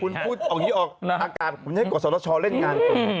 คุณพูดออกนี้ออกอาการผมจะให้กฎสรชอเล่นงาน